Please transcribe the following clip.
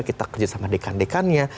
kita kerja sama dekan dekannya